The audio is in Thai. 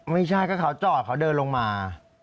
ไม่ใช่ก็เขาจอดเขาเดินลงมา